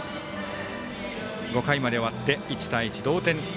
５回まで終わって１対１、同点。